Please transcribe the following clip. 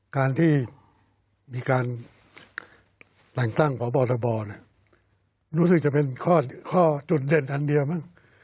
การที่มีการแหล่งตั้งของบ่อทักบ่อเนี่ยรู้สึกจะเป็นข้อจุดเด่นอันเดียวมั้ง